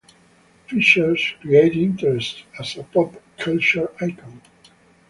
Fisher created interest as a pop culture icon.